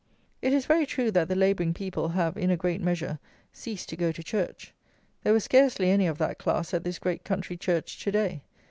It is very true that the labouring people have, in a great measure, ceased to go to church. There were scarcely any of that class at this great country church to day.